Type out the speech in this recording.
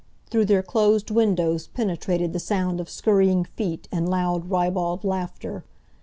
Through their closed windows penetrated the sound of scurrying feet and loud, ribald laughter.